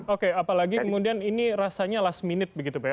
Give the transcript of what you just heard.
oke apalagi kemudian ini rasanya last minute begitu pak ya